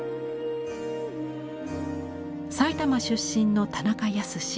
埼玉出身の田中保。